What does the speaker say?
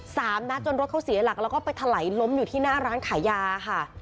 สามนัดจนรถเขาเสียหลักแล้วก็ไปถลายล้มอยู่ที่หน้าร้านขายยาค่ะ